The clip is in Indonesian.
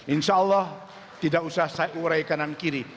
insya allah tidak usah saya urai kanan kiri